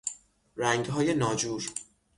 رنگهای ناجور